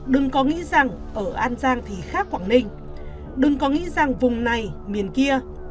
đừng có nghĩ rằng ở an giang thì khác quảng ninh đừng có nghĩ rằng vùng này miền kia